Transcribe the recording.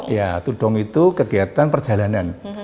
ya tudong itu kegiatan perjalanan